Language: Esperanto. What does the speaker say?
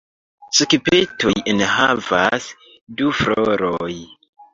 Spiketoj enhavas du floroj.